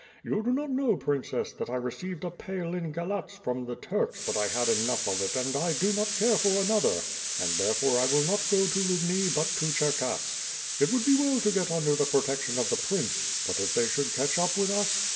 You do not know, Princess, that I received a pale in Galatz from the Turks but 1 had enough of it and I do not care for another and therefore 1 will not go to Lubni but to Cherkass. It would be well to get under the protection of the prince, but if they should catch up with us!